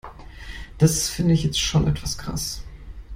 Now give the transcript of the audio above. Das finde ich jetzt schon etwas krass.